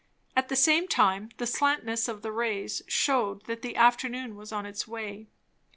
At the same time the slantness of the rays shewed that the afternoon was on its way.